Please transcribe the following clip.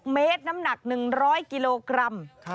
เมตรน้ำหนัก๑๐๐กิโลกรัม